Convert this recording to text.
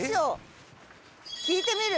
聞いてみる？